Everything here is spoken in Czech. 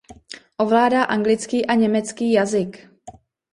Ovládá anglický a německý jazyk.